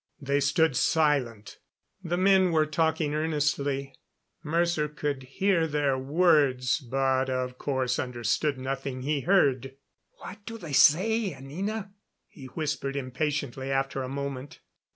They stood silent. The men were talking earnestly. Mercer could hear their words, but of course understood nothing he heard. "What do they say, Anina?" he whispered impatiently after a moment.